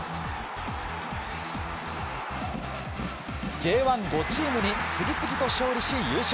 Ｊ１、５チームに次々と勝利し優勝。